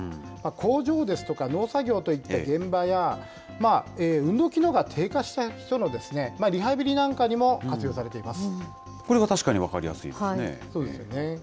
工場ですとか、農作業といった現場や、運動機能が低下した人のリハビリなんかにも活用されていまこれは確かに分かりやすいでそうですよね。